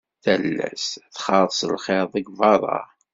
Tallast txaḍ s lxiḍ deg berra.